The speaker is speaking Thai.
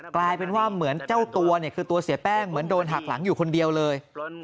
กลายเป็นว่าเหมือนเจ้าตัวเนี่ยคือตัวเสียแป้งเหมือนโดนหักหลังอยู่คนเดียวเลย